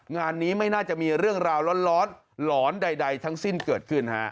งานนี้ไม่น่าจะมีเรื่องราวร้อนหลอนใดทั้งสิ้นเกิดขึ้นฮะ